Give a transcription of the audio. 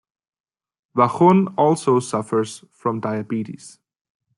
Vachon also suffers from diabetes.